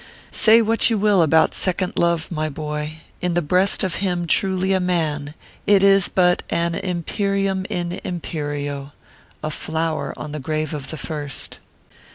Say what you will about second love, my boy, in the breast of him truly a man, it is but an imperium in imperio a flower on the grave of the first.